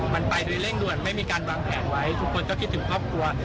มันไปโดยเร่งด่วนไม่มีการวางแผนไว้ทุกคนก็คิดถึงครอบครัว